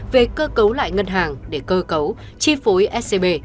về cơ cấu lại ngân hàng để cơ cấu chi phối scb